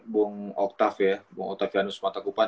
bung octav ya bung octavianus matakupan